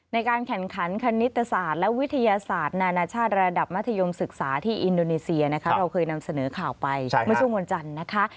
ในการแข่งขันคณิตศาสตร์และวิทยาศาสตร์นานาชาติระดับมัธยมศึกษาที่อินโดนีเซียนะคะเราเคยนำเสนอข่าวไปเมื่อช่วงวันจันทร์นะคะ